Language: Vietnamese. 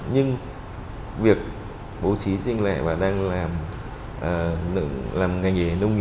theo dõi quá trình hoạt động của các hệ thống